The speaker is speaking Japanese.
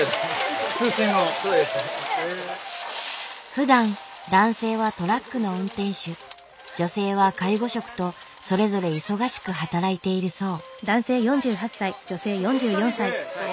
ふだん男性はトラックの運転手女性は介護職とそれぞれ忙しく働いているそう。